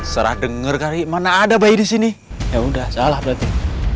serah dengar kali mana ada bayi di sini ya udah salah berarti